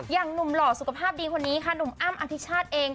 หนุ่มหล่อสุขภาพดีคนนี้ค่ะหนุ่มอ้ำอภิชาติเอง